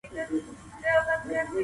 فلسفي بحث بند و.